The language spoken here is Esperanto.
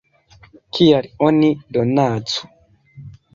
Kial oni donacu?